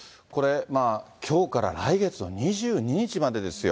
きょうから来月の２２日までですよ。